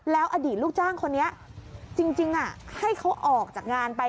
แล้วอดีตลูกจ้างคนนี้จริงให้เขาออกจากงานไป